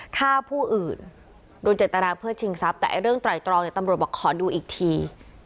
ฆ่าผู้อื่นโดนเจตนาเพื่อชิงทรัพย์แต่เรื่องไตรตรองเนี่ยตำรวจบอกขอดูอีกที